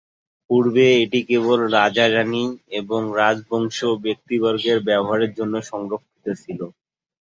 পূর্বে এটি কেবল রাজা-রাণী এবং রাজবংশীয় ব্যক্তিবর্গের ব্যবহারের জন্য সংরক্ষিত ছিল।